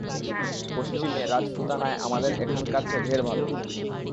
পশ্চিমে রাজপুতানায় আমাদের এখানকার চেয়ে ঢের ভাল।